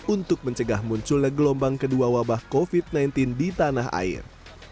untuk mencegah munculnya gelombang kedua wabah covid sembilan belas di tanah air